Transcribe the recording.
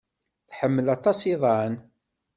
Tḥemmel aṭas iḍan.